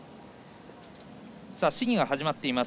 試技が始まっています。